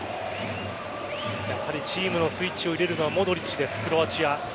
やはりチームのスイッチを入れるのはモドリッチです、クロアチア。